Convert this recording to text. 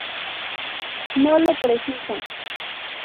No lo precisa.